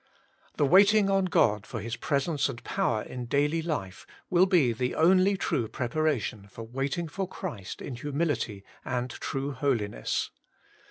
The waiting on God for His presence and power in daily life will he the only true preparation for waiting for Christ in humility and true holiness.